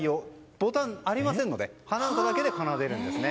ボタンありませんので鼻歌だけで奏でるんですね。